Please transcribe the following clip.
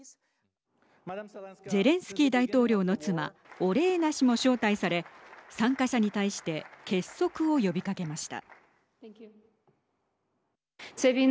ゼレンスキー大統領の妻オレーナ氏も招待され参加者に対して結束を呼びかけました。